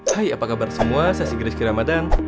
hai apa kabar semua saya sigiriski ramadan